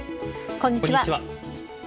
こんにちは。